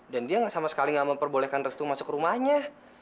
dan dia sama sekali nggak memperbolehkan restu masuk rumahnya